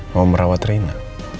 mau merawat rina